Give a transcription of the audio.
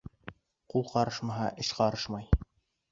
Ҡул ҡарышмаһа, эш ҡарышмай.